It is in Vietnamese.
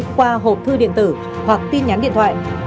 qua hộp thư điện tử hoặc tin nhắn điện thoại